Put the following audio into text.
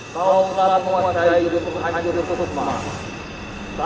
kau hanya membutuhkan